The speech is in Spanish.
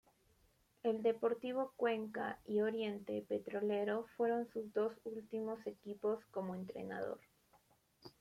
El Deportivo Cuenca y Oriente Petrolero fueron sus dos últimos equipos como entrenador.